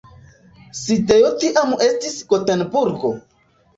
Sidejo tiam estis Gotenburgo.